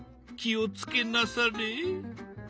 気をつけなされ。